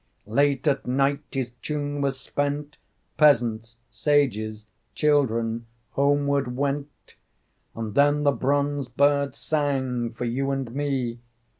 Late at night his tune was spent. Peasants, Sages, Children, Homeward went, And then the bronze bird sang for you and me.